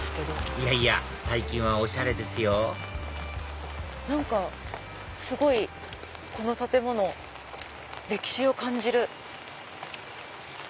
いやいや最近はおしゃれですよ何かすごいこの建物歴史を感じる。